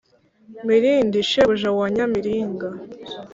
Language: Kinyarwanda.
mirindi shebuja wa nyamiringa,